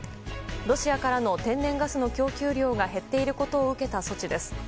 ロシアからの天然ガスの供給量が減っていることを受けた措置です。